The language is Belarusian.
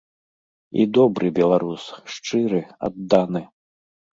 І добры беларус, шчыры, адданы.